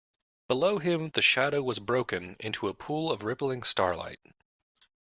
Below him the shadow was broken into a pool of rippling starlight.